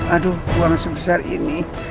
aduh uang sebesar ini